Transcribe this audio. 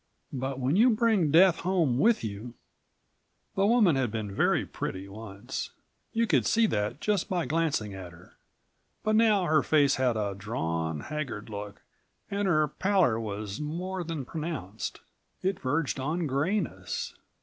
But when you bring death home with you " The woman had been very pretty once. You could see that just by glancing at her. But now her face had a drawn, haggard look and her pallor was more than pronounced. It verged on grayness.